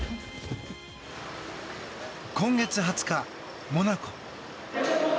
今月２０日、モナコ。